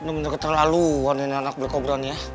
wah bener bener terlalu warnin anak black cobra nih ya